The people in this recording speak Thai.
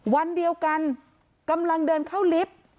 วันเดียวกันกำลังเดินเข้าลิฟต์